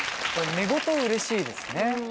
寝言嬉しいですね